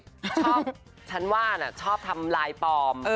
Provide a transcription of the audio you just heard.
ชอบฉันว่าชอบทำลายปลอม